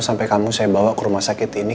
sampai kamu saya bawa ke rumah sakit ini